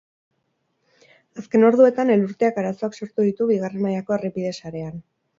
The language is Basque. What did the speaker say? Azken orduetan elurteak arazoak sortu ditu bigarren mailako errepide sarean.